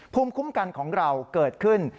ภูมิคุ้มกันของเราเกิดขึ้น